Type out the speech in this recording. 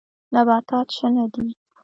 نباتات شنه دي.